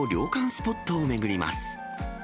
スポットを巡ります。